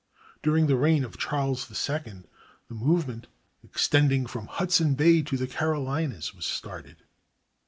During the reign of Charles II the movement, extending from Hudson Bay to the Carolinas, was started.